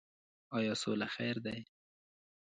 آیا سوله خیر ده؟